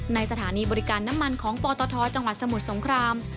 สถานีบริการน้ำมันของปตทจังหวัดสมุทรสงคราม